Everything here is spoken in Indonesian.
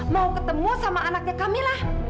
mau ketemu sama anaknya kamila